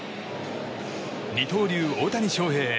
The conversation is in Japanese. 二刀流・大谷翔平